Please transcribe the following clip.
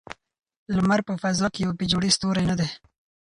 لمر په فضا کې یو بې جوړې ستوری نه دی.